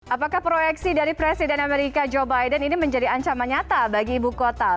apakah proyeksi dari presiden amerika joe biden ini menjadi ancaman nyata bagi ibu kota